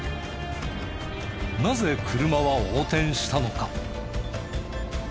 なぜ車は横転したのか？